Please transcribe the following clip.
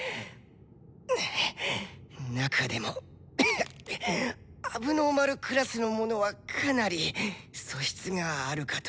はあっ中でもゴホッ問題児クラスの者はかなり素質があるかと。